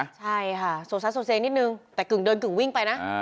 ใช่ค่ะโสดซัดส่วนเซงนิดนึงแต่กึ่งเดินกึ่งวิ่งไปนะ